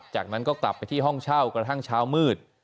จากนั้นก็กลับไปที่ห้องเช่ากระทั่งเช้ามืด